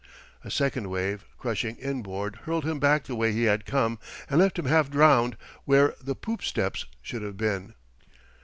A second wave, crushing inboard, hurled him back the way he had come, and left him half drowned where the poop steps should have been.